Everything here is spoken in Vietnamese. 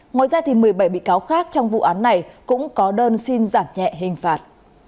ngoài ra một mươi bảy bị cáo khác trong vụ án này cũng có đơn xin giảm nhẹ hình phạt